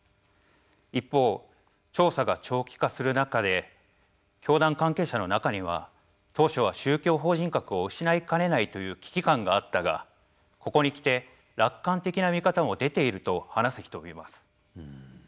一方調査が長期化する中で教団関係者の中には当初は宗教法人格を失いかねないという危機感があったがここにきて楽観的な見方も出ていると話す人もいます。